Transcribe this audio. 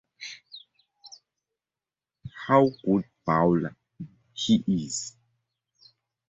How good bowler he is?